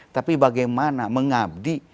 tapi bagaimana mengabdi